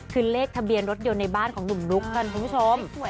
คือเลขทะเบียนรถยนต์ในบ้านของหนุ่มนุ๊กกันคุณผู้ชม